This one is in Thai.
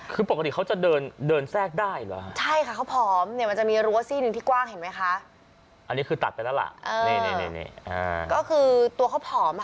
คือปกติเขาจะเดินแสกได้เหรอ